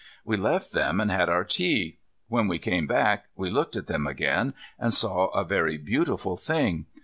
We left them and had our tea. When we came back we looked at them again, and saw a very beautiful thing.